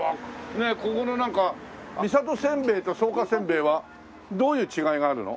ねえここのなんか三郷せんべいと草加せんべいはどういう違いがあるの？